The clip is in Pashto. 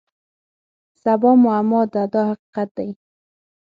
سبا معما ده دا حقیقت دی.